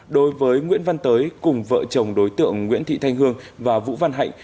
đối với nguyễn văn tới cùng vợ chồng đối tượng nguyễn thị thanh hương và vũ văn hạnh